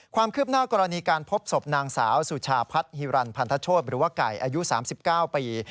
ความคืบหน้ากรณีการพบศพนางสาวสุชาพัฒน์ฮิรันพันธโชธหรือว่าไก่อายุ๓๙ปี